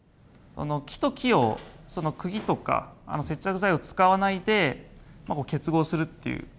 木と木をその釘とか接着剤を使わないで結合するっていう。